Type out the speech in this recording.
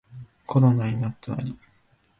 コロナになったナリ